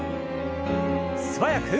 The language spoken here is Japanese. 素早く。